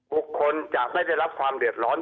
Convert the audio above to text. บุคคลจะไม่ได้รับความเดือดร้อน